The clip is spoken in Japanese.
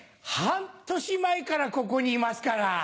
半年前からここにいますから。